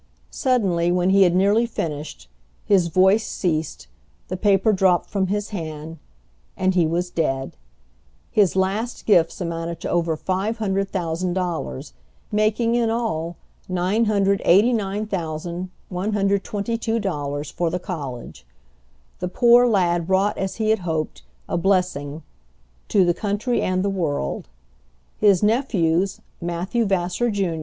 Suddenly, when he had nearly finished, his voice ceased, the paper dropped from his hand, and he was dead! His last gifts amounted to over five hundred thousand dollars, making in all $989,122.00 for the college. The poor lad wrought as he had hoped, a blessing "to the country and the world." His nephews, Matthew Vassar, Jr.